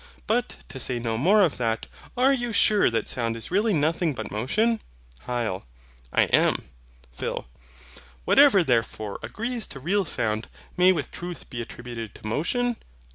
But, to say no more of that, are you sure then that sound is really nothing but motion? HYL. I am. PHIL. Whatever therefore agrees to real sound, may with truth be attributed to motion?